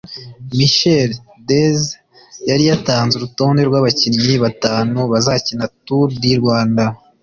Michel Theze yari yatanze urutonde rw’abakinnyi batanu bazakina Tour du Rwanda